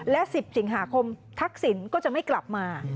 และ๑๐สิงหาคมทักษิณก็จะไม่กลับมา